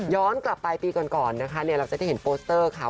ย้อนกลับไปปีก่อนเราจะได้เห็นโปสเตอร์ค่ะ